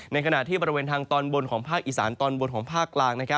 ในขณะที่บริเวณทางตอนบนของภาคอีสานตอนบนของภาคกลาง